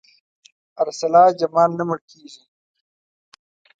ارسلا جمال نه مړ کېږي.